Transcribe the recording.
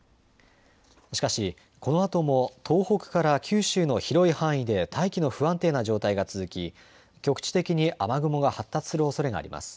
しかしこのあとも東北から九州の広い範囲で大気の不安定な状態が続き局地的に雨雲が発達するおそれがあります。